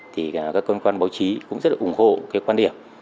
thì các cơ quan báo chí cũng rất là ủng hộ cái quan điểm